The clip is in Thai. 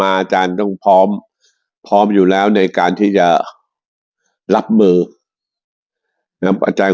อาจารย์ต้องพร้อมพร้อมอยู่แล้วในการที่จะรับมือนะครับอาจารย์